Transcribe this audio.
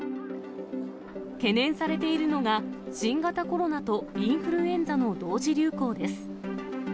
懸念されているのが、新型コロナとインフルエンザの同時流行です。